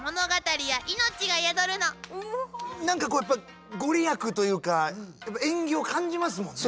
何かこうやっぱ御利益というか縁起を感じますもんね。